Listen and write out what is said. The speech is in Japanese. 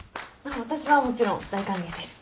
私はもちろん大歓迎です。